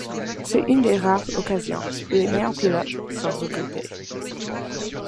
C'est une des rares occasions où les meilleurs pilotes sont regroupés.